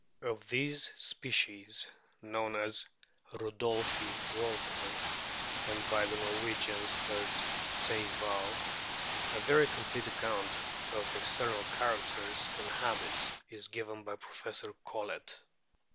Of this species, known as Rudolphi's Rorqual, and by the Norwegians as Sejhval, a very complete account of external characters and habits is given by Professor Collett.